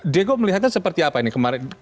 diego melihatnya seperti apa ini kemarin